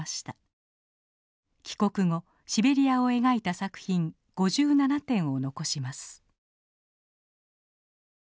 帰国後シベリアを描いた作品５７点を残します。